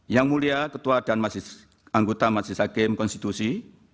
yang mulia ketua dan anggota majelis hakim konstitusi